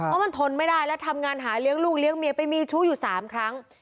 เพราะมันทนไม่ได้แล้วทำงานหาเลี้ยงลูกเลี้ยงเมียไปมีชู้อยู่๓ครั้ง